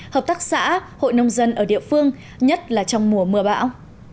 hợp tác xã hội nông dân ở địa phương nhất là trong mùa mưa bão